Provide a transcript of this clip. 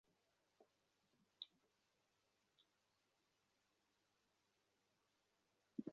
শুরু থেকেই আমি ভালবুয়েনাকে বিষয়টি জানাতে চেয়েছি, ওকে সাহায্য করতে চেয়েছি।